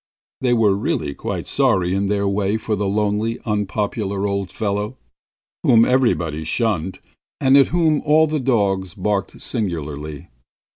They were really quite sorry in their way for the lonely, unpopular old fellow, whom everybody shunned, and at whom all the dogs barked singularly.